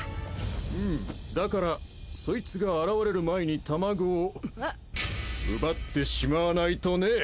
うんだからそいつが現れる前に卵を奪ってしまわないとね。